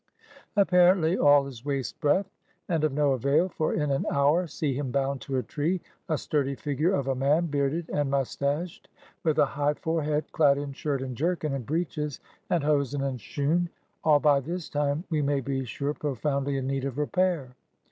Apparently all is waste breath and of no avail, for in an hour see him bound to a tree, a sturdy figure of a man, bearded and moustadied, with a high forehead, dad in shirt and jerkin and breeches and hosen and shoon, all by this time, we may be sure, profoundly in need of repair.